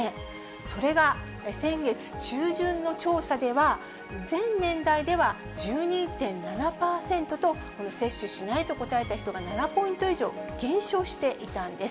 それが先月中旬の調査では、全年代では１２．７％と、この接種しないと答えた人は７ポイント以上減少していたんです。